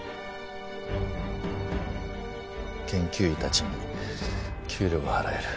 研究医たちに給料が払える。